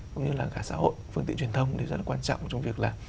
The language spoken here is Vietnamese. cũng như là cả xã hội phương tiện truyền thông thì rất là quan trọng trong việc là